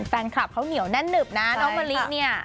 แฟนคลับเขาเหนียวแน่นหนึบนะน้องมะลิเนี่ย